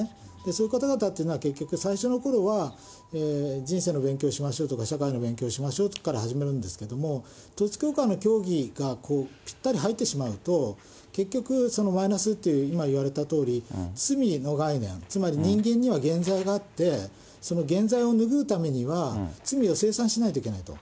そういう方々っていうのは、最初のころは、人生の勉強をしましょうとか、社会の勉強をしましょうとかから始めるんですけれども、統一教会の教義がぴったり入ってしまうと、結局、そのマイナスと、今、言われたとおり、罪の概念、つまり人間には原罪があって、その原罪を拭うためには、罪を清算しないといけないと。